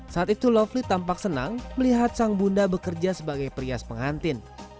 saat itu lovely tampak senang melihat sang bunda bekerja sebagai prias pengantin